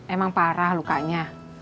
emang parah lukanya